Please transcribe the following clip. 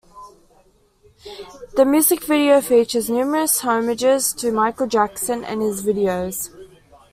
The music video features numerous homages to Michael Jackson and his videos.